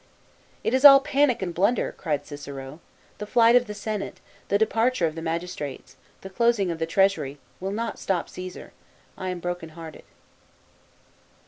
"It is all panic and blunder," cried Cicero ;" the flight of the Senate, the departure o f the magis trates, the closing of the treasury, will not stop Caesar I am broken hearted."